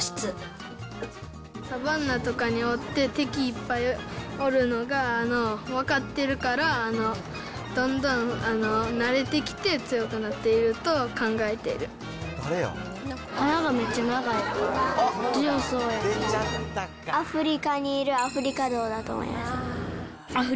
サバンナとかにおって、敵いっぱいおるのが分かってるから、どんどん慣れてきて、鼻がめっちゃ長いから、アフリカにいるアフリカゾウだと思います。